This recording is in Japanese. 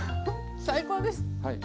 最高です。